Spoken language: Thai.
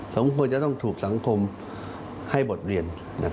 สมควรจะต้องถูกสังคมให้บทเรียน